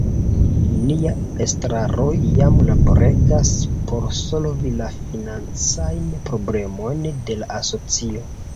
Nia Estraro jam laboregas por solvi la financajn problemojn de la Asocio.